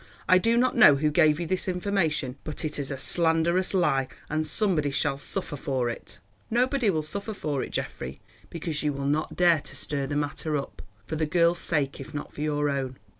I do not know who gave you this information, but it is a slanderous lie, and somebody shall suffer for it." "Nobody will suffer for it, Geoffrey, because you will not dare to stir the matter up—for the girl's sake if not for your own.